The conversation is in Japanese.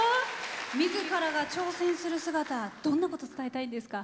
みずからが挑戦する姿どんなことを伝えたいんですか？